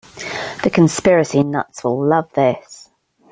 The conspiracy nuts will love this.